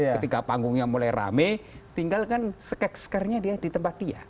ketika panggungnya mulai rame tinggalkan sekek sekernya dia di tempat dia